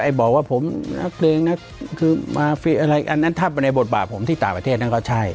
บอกว่าผมนักเลงนักคือมาฟรีอะไรอันนั้นถ้าไปในบทบาทผมที่ต่างประเทศนั้นก็ใช่